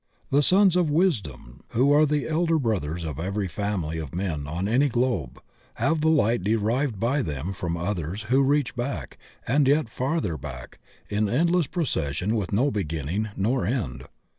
The Sons of Wisdom, who are the Elder Brothers of every family of men on any globe, have the light, derived by them from others who reach back, and yet farther back, in endless procession with no begin ning nor end.